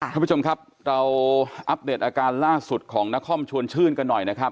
ท่านผู้ชมครับเราอัปเดตอาการล่าสุดของนครชวนชื่นกันหน่อยนะครับ